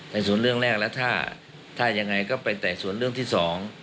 ในส่วนเรื่องแรกแล้วถ้ายังไงก็ไปไต่สวนเรื่องที่สอง